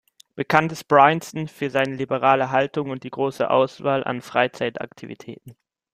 Bekannt ist Bryanston für seine liberale Haltung und die große Auswahl an Freizeitaktivitäten.